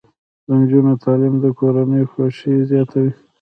د نجونو تعلیم د کورنۍ خوښۍ زیاتوي.